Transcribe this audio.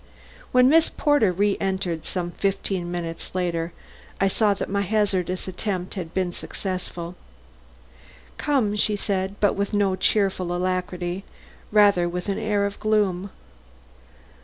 When Miss Porter reëntered some fifteen minutes later, I saw that my hazardous attempt had been successful. "Come," said she; but with no cheerful alacrity, rather with an air of gloom.